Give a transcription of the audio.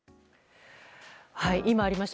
今、ありました